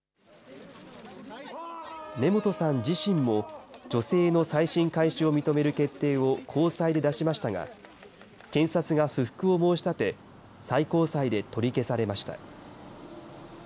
根本さん自身も、女性の再審開始を認める決定を高裁で出しましたが、検察が不服を申し立て、最高裁で取り消されました。